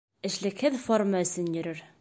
Эшлекһеҙ форма өсөн йөрөр.